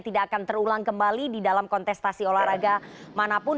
tidak akan terulang kembali di dalam kontestasi olahraga manapun